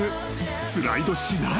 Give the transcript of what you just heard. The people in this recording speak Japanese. スライドしない］